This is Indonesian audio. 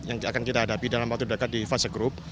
yang akan kita hadapi dalam waktu dekat di fase grup